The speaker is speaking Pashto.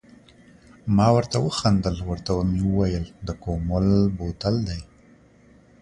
ما ورته و خندل، ورته مې وویل د کومل بوتل دی.